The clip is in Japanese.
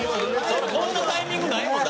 こんなタイミングないもんだって。